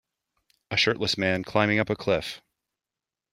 a shirtless man climbing up a cliff.